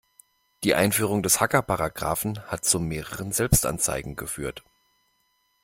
Die Einführung des Hackerparagraphen hat zu mehreren Selbstanzeigen geführt.